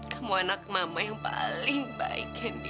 kamu anak mama yang paling baik